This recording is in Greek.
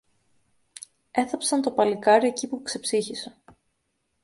Έθαψαν το παλικάρι εκεί που ξεψύχησε.